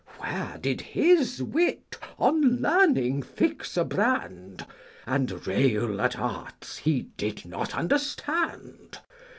Where did his wit on learning fix a brand, And rail at arts he did not understand